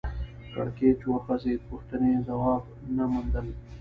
کړکېچ وغځېد پوښتنې ځواب نه موندل